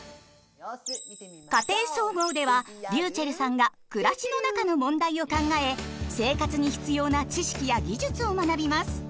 「家庭総合」ではｒｙｕｃｈｅｌｌさんが暮らしの中の問題を考え生活に必要な知識や技術を学びます。